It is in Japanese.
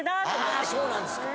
あそうなんですか。